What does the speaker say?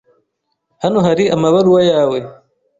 Hano hari amabaruwa yawe.